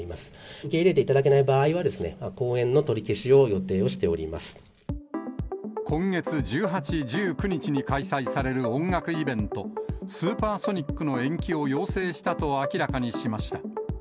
受け入れていただけない場合は、後援の取り消しを予定をしており今月１８、１９日に開催される音楽イベント、スーパーソニックの延期を要請したと明らかにしました。